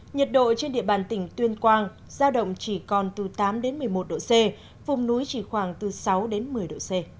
nhiệt độ trên địa bàn tỉnh tuyên quang giao động chỉ còn từ tám đến một mươi một độ c vùng núi chỉ khoảng từ sáu đến một mươi độ c